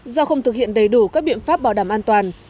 do không thực hiện đầy đủ các biện pháp bảo đảm an toàn